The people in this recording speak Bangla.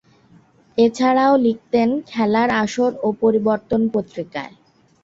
এছাড়া ও লিখতেন 'খেলার আসর' ও 'পরিবর্তন' পত্রিকায়।